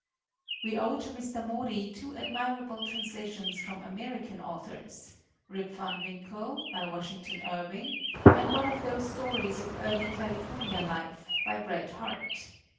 We owe to Mr. Mori two admirable translations from American authors, "Rip Van Winkle," by Washington Irving, and one of those stories of early California life, by Bret Harte.